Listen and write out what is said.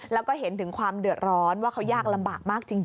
แล้วก็เห็นถึงความเดือดร้อนว่าเขายากลำบากมากจริง